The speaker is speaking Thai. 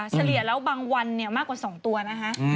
เฉลี่ยแล้วบางวันมากกว่า๒ตัวนะคะ